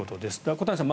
小谷さん